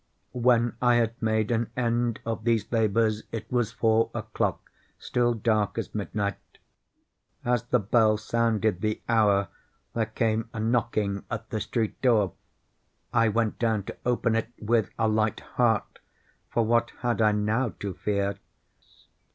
When I had made an end of these labors, it was four o'clock—still dark as midnight. As the bell sounded the hour, there came a knocking at the street door. I went down to open it with a light heart,—for what had I now to fear?